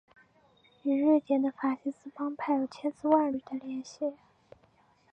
与瑞典的法西斯帮派有千丝万缕的联系。